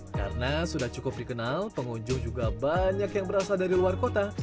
karena sudah cukup dikenal pengunjung juga banyak yang berasal dari luar kota